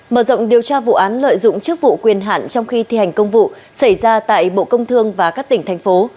mở rộng điều tra vụ án lợi dụng chức vụ quyền hạn trong khi thi hành công vụ xảy ra tại bộ công thương và các tỉnh thành phố